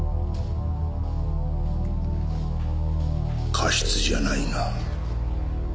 加筆じゃないな。